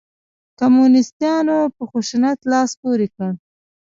کمونسیتانو په خشونت لاس پورې کړ.